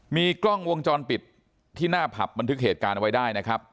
มีกล้องวงจรปิดที่หน้าผับบันทึกเหตุการณ์เอาไว้ได้นะครับ